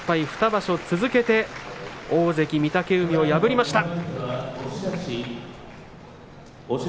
場所続けて大関御嶽海を破りました。